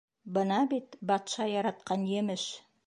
— Бына бит батша яратҡан емеш!